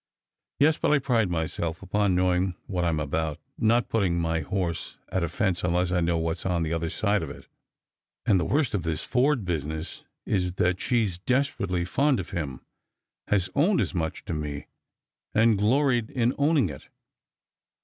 " Yes, but I pride myself upon knowing what I'm about — not putting my horse at a fence unless I know what's on the other side of it. And the worst of this Forde business is, that she's desperately fond of him, has owned as much to me, and gloried in owning it."